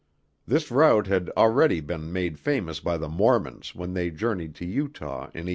This route had already been made famous by the Mormons when they journeyed to Utah in 1847.